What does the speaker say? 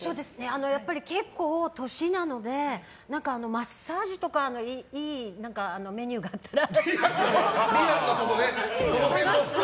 やっぱり結構年なのでマッサージとかいいメニューがあったら。